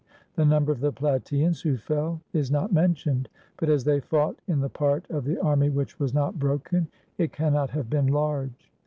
The number of the Plataeans who fell is not mentioned; but as they fought in the part of the army which was not broken, it cannot have been large.